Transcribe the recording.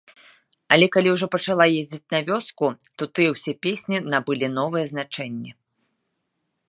Але калі ўжо пачала ездзіць на вёску, то тыя ўсе песні набылі новыя значэнні.